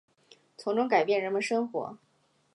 从中改变人们生活